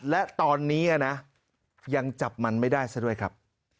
และตอนนี้นะยังจับมันไม่ได้ซะด้วยครับ